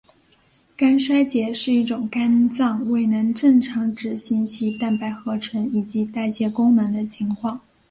肝衰竭是一种肝脏未能正常执行其蛋白合成以及代谢功能的情况。